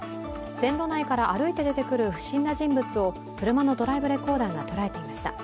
線路内から歩いて出てくる不審な人物を車のドライブレコーダーが捉えていました。